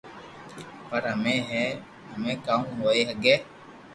پر سھي ھي ھمي ڪاو ھوئي ھگي